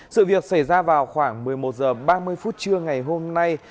sự việc xảy ra vào khoảng một mươi một h ba mươi phút trưa ngày hôm nay